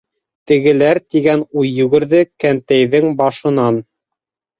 «Тегеләр!» - тигән уй йүгерҙе кәнтәйҙең башынан.